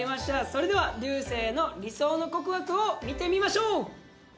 それでは流星の理想の告白を見てみましょう。